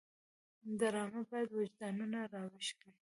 ډرامه باید وجدانونه راویښ کړي